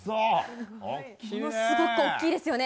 ものすごく大きいですよね。